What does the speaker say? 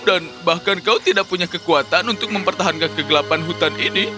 dan bahkan kau tidak punya kekuatan untuk mempertahankan kegelapan hutan ini